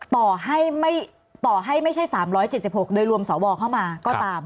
ต่อให้ต่อให้ไม่ใช่๓๗๖โดยรวมสวเข้ามาก็ตาม